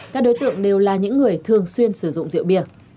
các đối tượng đều là những người thường xuyên sử dụng rượu bia